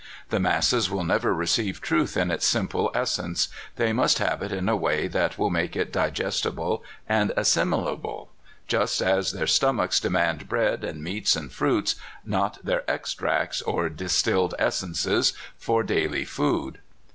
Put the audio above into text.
The masses will never receive truth in its simple essence; they must have it in a way that will make it digestible and assimilable, just as their stomachs demand bread, and meats, and fruits, not tneir extracts or distilled essences, for daily food.